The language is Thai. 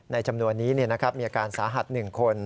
จำนวนนี้มีอาการสาหัส๑คน